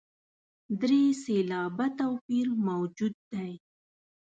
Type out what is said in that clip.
درې سېلابه توپیر موجود دی.